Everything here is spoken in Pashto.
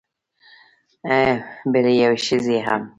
بلې یوې ښځې هم